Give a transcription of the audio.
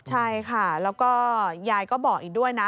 ใช่ค่ะแล้วก็ยายก็บอกอีกด้วยนะ